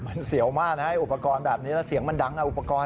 มันเสียวมากนะอุปกรณ์แบบนี้แล้วเสียงมันดังอุปกรณ์